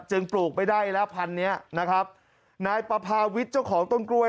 จึงปลูกไปได้แล้วพันธุ์นี้นายปภาวิทย์เจ้าของต้นกล้วย